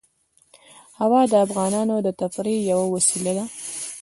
هوا د افغانانو د تفریح یوه وسیله ده.